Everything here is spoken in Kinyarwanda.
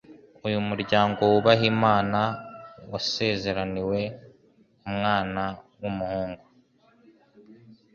Uyu muryango wubaha Imana wasezeraniwe umwana w'umuhungu,